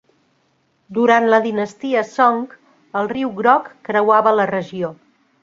Durant la dinastia Song, el riu Groc creuava la regió.